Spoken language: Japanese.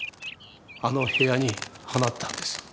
あの部屋に放ったんです。